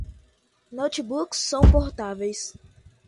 Notebooks são portáteis